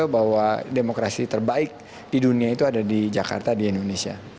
bahwa demokrasi terbaik di dunia itu ada di jakarta di indonesia